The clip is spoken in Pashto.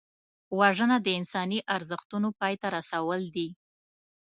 وژنه د انساني ارزښتونو پای ته رسول دي